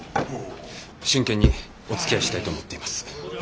真剣におつきあいしたいと思っています。